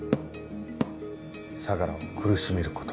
相良を苦しめること。